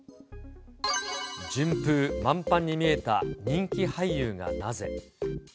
順風満帆に見えた人気俳優がなぜ？